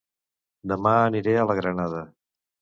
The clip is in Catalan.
Dema aniré a La Granada